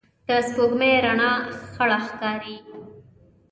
د سپوږمۍ رڼا خړه ښکاري